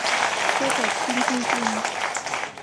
เจอแต่คิมฮีจิน